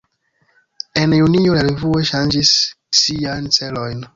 En junio, la revuo ŝanĝis siajn celojn.